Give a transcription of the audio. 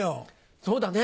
そうだね。